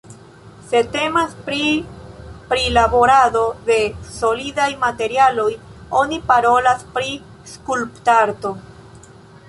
Se temas pri prilaborado de solidaj materialoj oni parolas pri skulptarto.